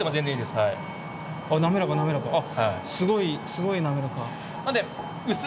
すごいすごい滑らか。